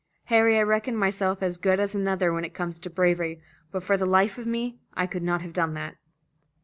Harry, I reckon myself as good as another when it comes to bravery, but for the life of me I could not have done that."